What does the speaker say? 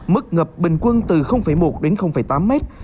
mức ngập bình quân từ một đến tám mét